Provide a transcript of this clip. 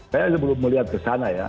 saya belum melihat ke sana ya